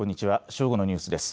正午のニュースです。